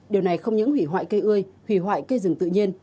điều này không những hủy hoại cây ươi hủy hoại cây rừng tự nhiên